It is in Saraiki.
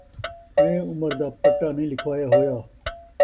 کئیں عمر دا پٹہ نئیں لکھوایا ہویا